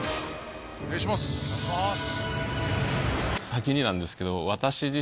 先になんですけど。